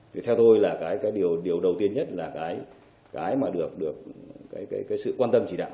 thì theo tôi là cái điều đầu tiên nhất là cái mà được sự quan tâm chỉ đạo